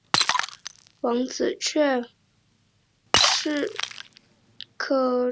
王子雀鲷为辐鳍鱼纲鲈形目隆头鱼亚目雀鲷科雀鲷属的鱼类。